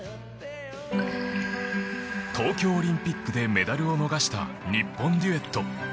東京オリンピックでメダルを逃した日本デュエット。